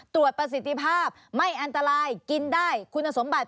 ประสิทธิภาพไม่อันตรายกินได้คุณสมบัติ